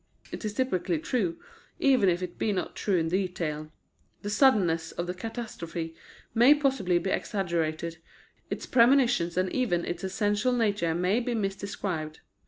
It is typically true, even if it be not true in detail. The suddenness of the catastrophe may possibly be exaggerated, its premonitions and even its essential nature may be misdescribed.